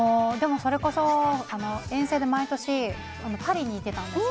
それこそ、遠征で毎年パリに行っていたんです。